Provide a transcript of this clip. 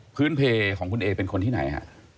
พื้นเพลย์ของคุณเอ๋เป็นคนที่ไหนครับ